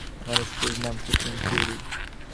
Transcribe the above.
আমার স্টেজ নাম supreme Fury.